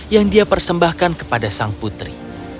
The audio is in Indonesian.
yang dia persembahkan kepada sang putri